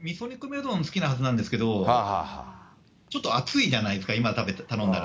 うどん好きなはずなんですけど、ちょっと暑いじゃないですか、今食べたら。